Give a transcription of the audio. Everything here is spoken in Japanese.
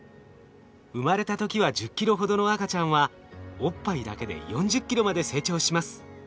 生まれた時は１０ｋｇほどの赤ちゃんはおっぱいだけで４０ｋｇまで成長します。